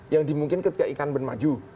yang dimungkinkan ketika ikan bermaju